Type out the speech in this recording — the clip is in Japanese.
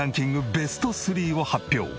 ベスト３を発表。